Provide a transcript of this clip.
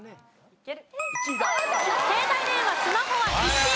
携帯電話スマホは１位です。